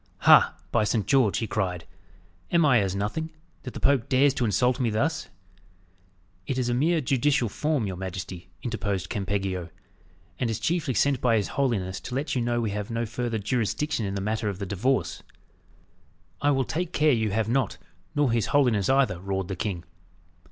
"Ha! by Saint George!" he cried; "am I as nothing, that the Pope dares to insult me thus?" "It is a mere judicial form your majesty," interposed Campeggio, "and is chiefly sent by his holiness to let you know we have no further jurisdiction in the matter of the divorce." "I will take care you have not, nor his holiness either," roared the king.